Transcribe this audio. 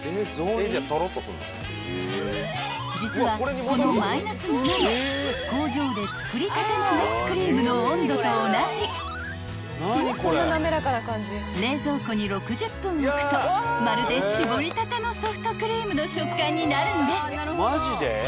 ［実はこのマイナス７℃工場で作りたてのアイスクリームの温度と同じ］［冷蔵庫に６０分置くとまるで搾りたてのソフトクリームの食感になるんです］